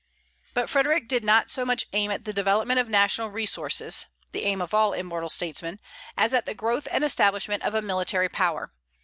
But Frederic did not so much aim at the development of national resources, the aim of all immortal statesmen, as at the growth and establishment of a military power.